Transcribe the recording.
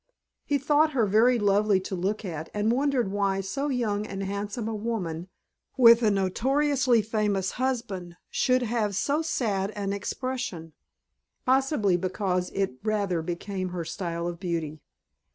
He thought her very lovely to look at and wondered why so young and handsome a woman with a notoriously faithful husband should have so sad an expression. Possibly because it rather became her style of beauty.